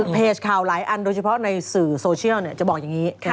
เพจข่าวหลายอันโดยเฉพาะในสื่อโซเชียลจะบอกอย่างนี้